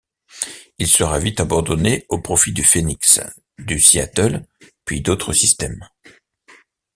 Il sera vite abandonné au profit du Phoenix, du Seattle, puis d'autres systèmes.